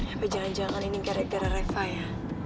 sampai jangan jangan ini gara gara reva ya